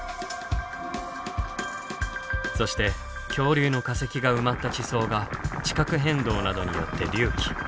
そして恐竜の化石が埋まった地層が地殻変動などによって隆起。